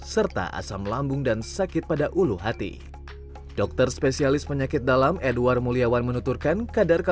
serta asam lambung dan sakit pada tubuh